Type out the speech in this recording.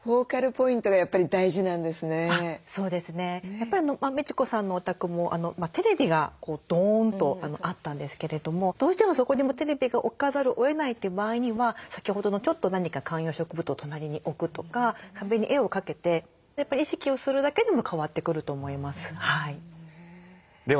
やっぱりみち子さんのお宅もテレビがドーンとあったんですけれどもどうしてもそこにもうテレビが置かざるをえないって場合には先ほどのちょっと何か観葉植物を隣に置くとか壁に絵を掛けて意識をするだけでも変わってくると思います。